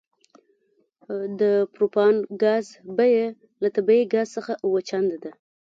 د پروپان ګاز بیه له طبیعي ګاز څخه اوه چنده ده